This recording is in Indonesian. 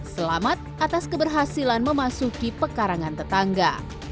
selamat atas keberhasilan memasuki pekarangan tetangga